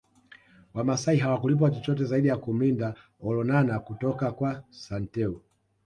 Wamasai hawakulipwa chochote zaidi ya kumlinda Olonana kutoka kwa Santeu